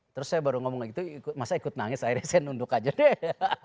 terus saya baru ngomong gitu masa ikut nangis akhirnya saya nunduk aja deh